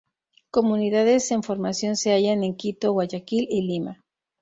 Comunidades en formación se hallan en Quito, Guayaquil y Lima.